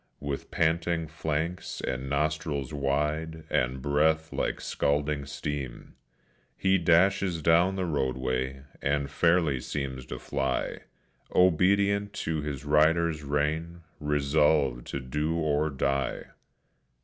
With panting flanks and nostrils wide, and breath like scalding steam, He dashes down the roadway, and fairly seems to fly, Obedient to his rider's rein, resolved to do or die.